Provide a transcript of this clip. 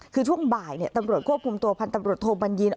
คือช่วงบ่ายเนี่ยตำรวจควบคุมตัวพันธบริโภคโบราณยิน